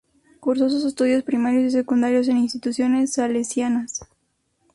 Cursó sus estudios primarios y secundarios en instituciones salesianas.